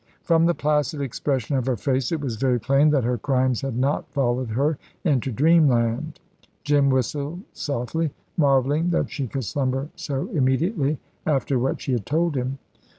From the placid expression of her face it was very plain that her crimes had not followed her into Dreamland. Jim whistled softly, marvelling that she could slumber so immediately after what she had told him.